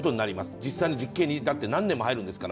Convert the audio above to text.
実際に実刑に至って何年も入るんですから。